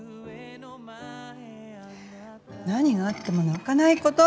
何があっても泣かないこと。